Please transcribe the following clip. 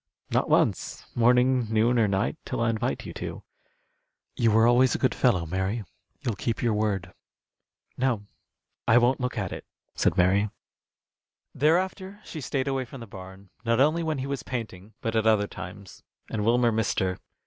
"Not once, morning, noon, or night, till I invite you to. You were always a good fellow, Mary. You'll keep your word." "No, I won't look at it," said Mary. Thereafter she stayed away from the barn, not only when he was painting, but at other times, and Wilmer missed her.